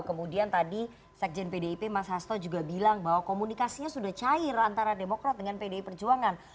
kemudian tadi sekjen pdip mas hasto juga bilang bahwa komunikasinya sudah cair antara demokrat dengan pdi perjuangan